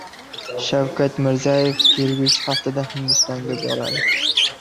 Shavkat Mirziyoyev kelgusi haftada Hindistonga boradi